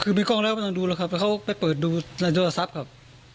คือมีกล้องแล้วเราต้องดูแล้วครับแล้วเขาก็ไปเปิดดูไลน์โดราซับครับ